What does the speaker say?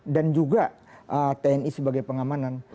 dan juga tni sebagai pengamanan